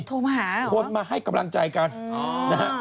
โทรศัพท์มาให้กำลังใจกัน